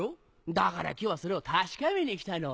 だから今日はそれを確かめに来たの。